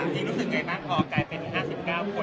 จริงรู้สึกไงบ้างพอกลายเป็น๕๙คน